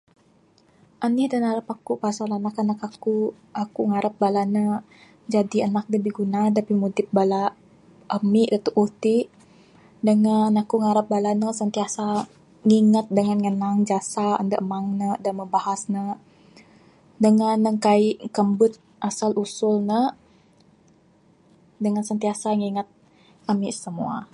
Anih da narap akuk pasal anak anak akuk, akuk ngarap bala ne jadi anak da biguna da pimudip bala amik da tuuh ti dengan akuk ngarap bala ne sentiasa ngingat dengan ngenang jasa andu amang ne da mbuh bahas ne dengan ne kai ne kambut asal usul ne. Dengan sentiasa ngigat amik semua.